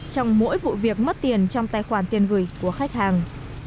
trong mỗi vụ việc mất tiền trong tài khoản tiền gửi của khách hàng